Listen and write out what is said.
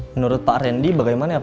menurut pak randi bagaimana ya pak